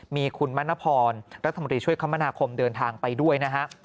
มีคุณมณพรรัฐมนตรีช่วยคมนาคมเดินทางไปด้วยนะฮะ